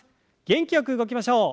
元気よく動きましょう。